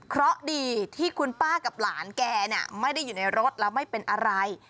เพราะดีที่คุณป้ากับหลานแกไม่ได้อยู่ในรถแล้วไม่เป็นอะไร